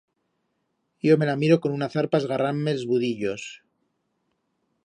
Yo me la miro con una zarpa esgarrand-me els budillos.